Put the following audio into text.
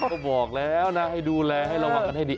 โอ้พ่อบอกแล้วนะให้ดูแลให้ระวังให้ดี